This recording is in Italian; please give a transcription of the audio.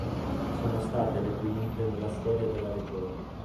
Sono state le quinte nella storia della regione.